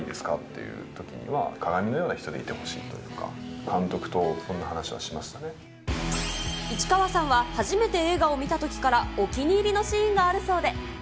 いうときには鏡のような人でいてほしいというか、監督とそんな話をし市川さんは初めて映画を見たときからお気に入りのシーンがあるそうで。